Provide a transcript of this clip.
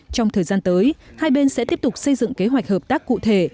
trong thời gian tới hai bên sẽ tiếp tục xây dựng kế hoạch hợp tác cụ thể